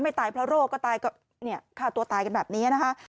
ไม่ตายเพราะโรคก็ตายก็ฆ่าตัวตายกันแบบนี้